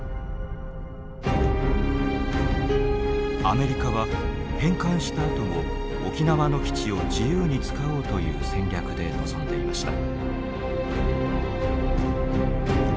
アメリカは返還したあとも沖縄の基地を自由に使おうという戦略で臨んでいました。